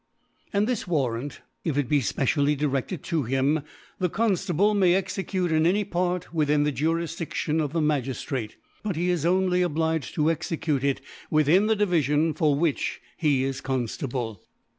And this Warrant, if it be fpecially directed to him, the Confiable may execute in any Part within the Jurifdiftion of theMagiftrate ) but he is only obliged to execute ic within the Divilion for which be is Conftable, (Sc.